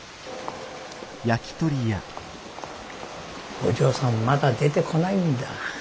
お嬢さんまだ出てこないんだ。